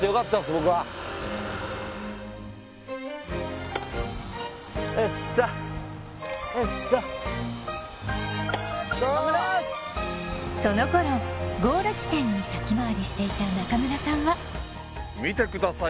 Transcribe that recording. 僕はえっさえっさその頃ゴール地点に先回りしていた中村さんは見てください